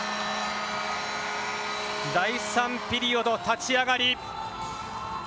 第３ピリオド、立ち上がり。